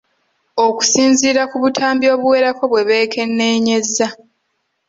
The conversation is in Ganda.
Okusinziira ku butambi obuwerako bwe beekenneenyezza.